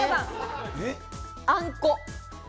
あんこ。